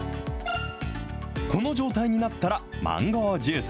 この状態になったら、マンゴージュース。